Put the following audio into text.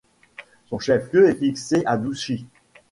Son chef-lieu est fixé à Douchy.